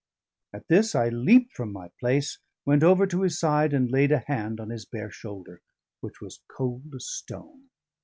At this I leaped from my place, went over to his side and laid a hand on his bare shoulder, which was cold as stone.